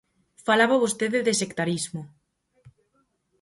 Falaba vostede de sectarismo.